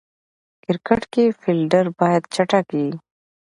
کرکټ کښي فېلډر باید چټک يي.